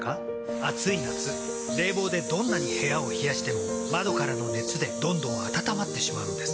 暑い夏冷房でどんなに部屋を冷やしても窓からの熱でどんどん暖まってしまうんです。